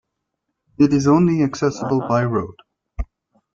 It is only accessible by road.